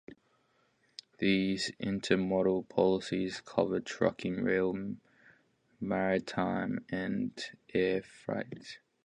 These intermodal policies cover trucking, rail, maritime and air freight.